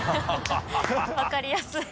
分かりやすい。